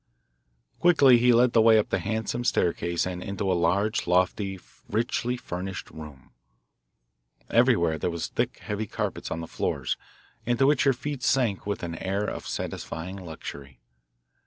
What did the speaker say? Quickly he led the way up the handsome staircase and into a large, lofty, richly furnished room. Everywhere there were thick, heavy carpets on the floors, into which your feet sank with an air of satisfying luxury.